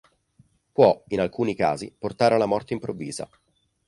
Può, in alcuni casi, portare alla morte improvvisa.